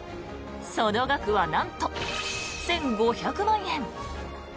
その額はなんと、１５００万円。